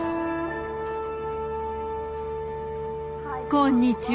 こんにちは